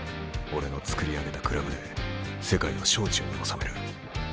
俺の作り上げたクラブで世界を掌中に収める。